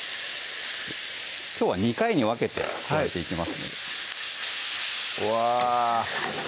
きょうは２回に分けて加えていきますのでうわ